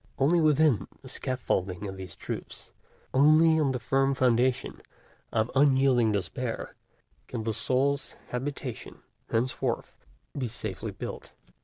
Only within the scaffolding of these truths, only on the firm foundation of unyielding despair, can the soul's habitation henceforth be safely built.